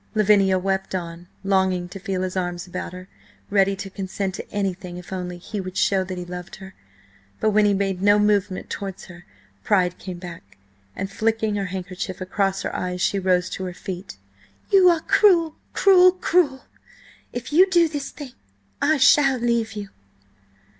Lavinia wept on, longing to feel his arms about her, ready to consent to anything if only he would show that he loved her But when he made no movement towards her, pride came back, and flicking her handkerchief across her eyes, she rose to her feet. "You are cruel!–cruel!–cruel! If you do this thing I shall leave you!"